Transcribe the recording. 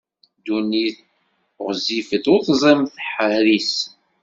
Ddunit ɣwezzifet, ur teẓrim tehri-s!